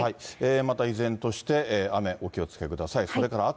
また依然として雨、お気をつけください。